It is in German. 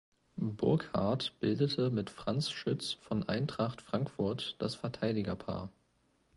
Burkhardt bildete mit Franz Schütz von Eintracht Frankfurt das Verteidigerpaar.